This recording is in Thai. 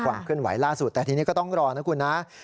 เคลื่อนไหวล่าสุดแต่ทีนี้ก็ต้องรอนะคุณนะ